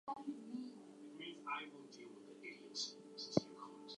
Similar laws were subsequently adopted in most American jurisdictions.